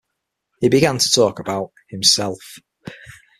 He began to talk about himself.